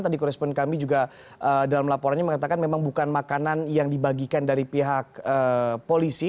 tadi korespon kami juga dalam laporannya mengatakan memang bukan makanan yang dibagikan dari pihak polisi